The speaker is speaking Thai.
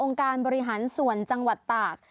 การบริหารส่วนจังหวัดตาก